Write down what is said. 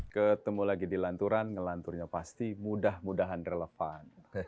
ketemu lagi di lanturan ngelanturnya pasti mudah mudahan relevan